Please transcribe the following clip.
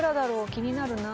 気になるなあ